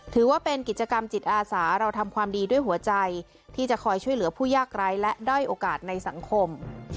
ถือว่าเป็นกิจกรรมจิตอาสาเราทำความดีด้วยหัวใจที่จะคอยช่วยเหลือผู้ยากไร้และด้อยโอกาสในสังคม